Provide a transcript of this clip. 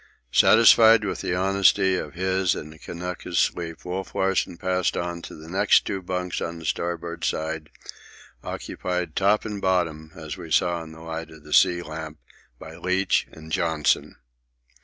Satisfied with the honesty of his and the Kanaka's sleep, Wolf Larsen passed on to the next two bunks on the starboard side, occupied top and bottom, as we saw in the light of the sea lamp, by Leach and Johnson.